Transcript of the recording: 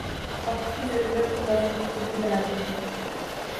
وقت کی ضرورت کو موضوع گفتگو بناتے ہوئے